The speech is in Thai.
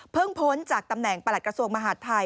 พ้นจากตำแหน่งประหลัดกระทรวงมหาดไทย